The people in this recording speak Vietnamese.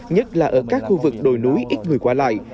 nhất là ở các khu vực đồi núi ít người qua lại